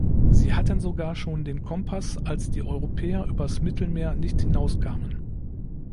Sie hatten sogar schon den Kompass, als die Europäer über's Mittelmeer nicht hinauskamen.